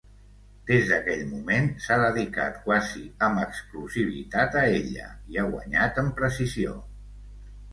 Des d'aquell moment s'ha dedicat quasi amb exclusivitat a ella i ha guanyat en precisió.